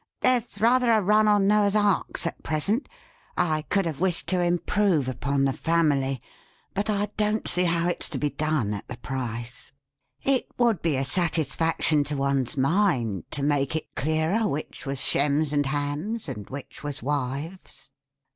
There's rather a run on Noah's Arks at present. I could have wished to improve upon the Family, but I don't see how it's to be done at the price. It would be a satisfaction to one's mind, to make it clearer which was Shems and Hams, and which was Wives.